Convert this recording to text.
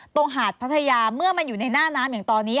หาดพัทยาเมื่อมันอยู่ในหน้าน้ำอย่างตอนนี้